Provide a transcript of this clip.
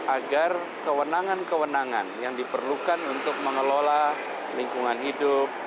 agar kewenangan kewenangan yang diperlukan untuk mengelola lingkungan hidup